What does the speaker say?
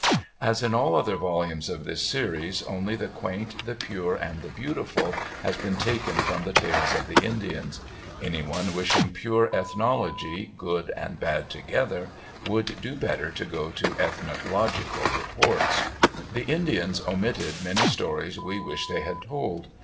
As in all other volumes of this series, only the quaint, the pure, and the beautiful, has been taken from the tales of the Indians. Any one wishing pure ethnology, good and bad together, would do better to go to ethnological reports. The Indians omitted many stories we wish they had told.